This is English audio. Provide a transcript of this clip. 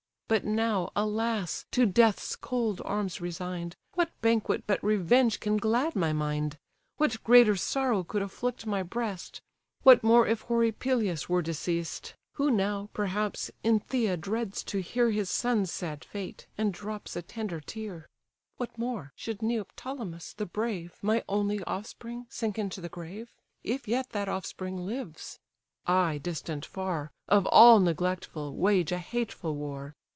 But now, alas! to death's cold arms resign'd, What banquet but revenge can glad my mind? What greater sorrow could afflict my breast, What more if hoary Peleus were deceased? Who now, perhaps, in Phthia dreads to hear His son's sad fate, and drops a tender tear. What more, should Neoptolemus the brave, My only offspring, sink into the grave? If yet that offspring lives; (I distant far, Of all neglectful, wage a hateful war.)